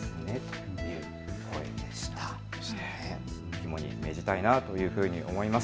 肝に銘じたいなというふうに思います。